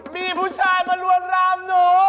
มีผู้ชายมาลวนรามหนู